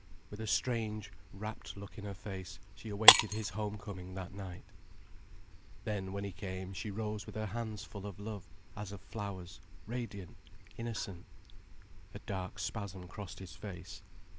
With a strange, rapt look in her face, she awaited his homecoming that night. Then, when he came, she rose with her hands full of love, as of flowers, radiant, innocent. A dark spasm crossed his face.